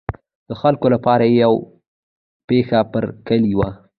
د خلکو لپاره یې یوه پښه پر کلي وه.